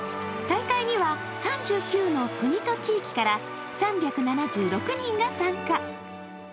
大会には３９の国と地域から３７６人が参加。